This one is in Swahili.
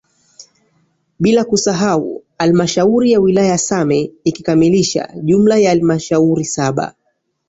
Bila kusahau halmashauri ya wilaya ya Same ikikamilisha jumla ya halmashauri saba